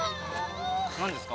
何ですか？